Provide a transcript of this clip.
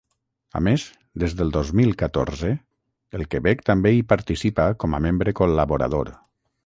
A més, des del dos mil catorze, el Quebec també hi participa com a membre col·laborador.